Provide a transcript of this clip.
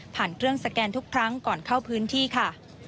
เครื่องสแกนทุกครั้งก่อนเข้าพื้นที่ค่ะ